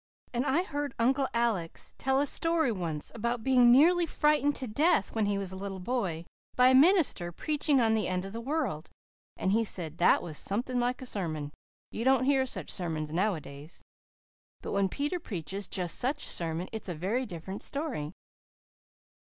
And I heard Uncle Alec tell a story once about being nearly frightened to death when he was a little boy, by a minister preaching on the end of the world; and he said, 'That was something like a sermon. You don't hear such sermons nowadays.' But when Peter preaches just such a sermon, it's a very different story."